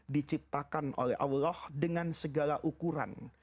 diciptakan oleh allah dengan segala ukuran